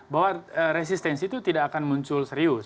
bahwa resistensi itu tidak akan muncul serius